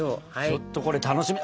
ちょっとこれ楽しみ。